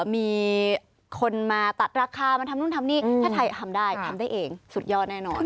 มีคนมาตัดราคามาทำนู่นทำนี่ถ้าไทยทำได้ทำได้เองสุดยอดแน่นอน